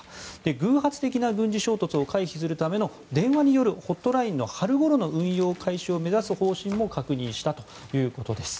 偶発的な軍事衝突を回避するための電話によるホットラインの春ごろの運用開始を目指す方針も確認したということです。